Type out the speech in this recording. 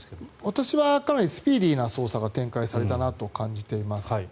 私はかなりスピーディーな捜査が展開されたなと感じています。